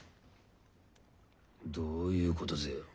どういうことぜよ？